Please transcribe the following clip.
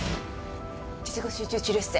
術後集中治療室へ。